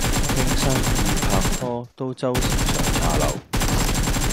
傾生意拍拖都周時上茶樓